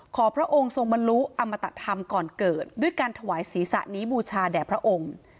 พระองค์ทรงบรรลุอมตธรรมก่อนเกิดด้วยการถวายศีรษะนี้บูชาแด่พระองค์